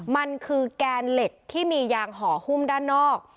มันคือแกนเหล็กที่มียางห่อหุ้มด้านนอก